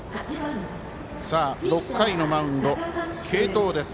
６回のマウンド、継投です。